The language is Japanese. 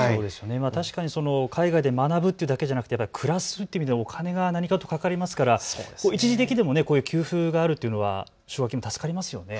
確かに海外で学ぶってだけじゃなくて暮らすっていう意味でお金が何かとかかるので一時的でもこういう給付があるというのは奨学金、助かりますよね。